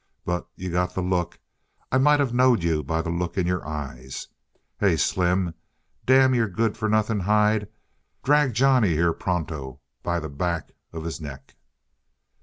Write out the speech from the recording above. But you got the look. I might of knowed you by the look in your eyes. Hey, Slim, damn your good for nothing hide, drag Johnny here pronto by the back of the neck!"